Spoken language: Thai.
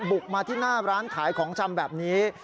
บุกมาที่หน้าร้านขายของชำแบบนี้